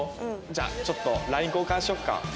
じゃあちょっとＬＩＮＥ交換しようか。